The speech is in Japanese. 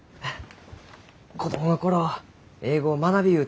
子供の頃英語を学びゆう